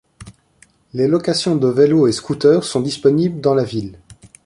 Les location de vélo et scooter sont disponibles dans la ville.